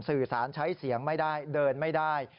สื่อสารใช้เสียงไม่ได้เดินไม่ได้